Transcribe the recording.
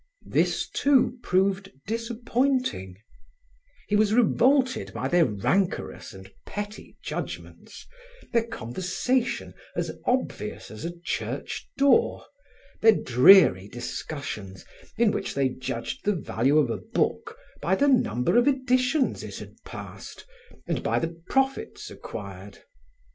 This, too, proved disappointing; he was revolted by their rancorous and petty judgments, their conversation as obvious as a church door, their dreary discussions in which they judged the value of a book by the number of editions it had passed and by the profits acquired.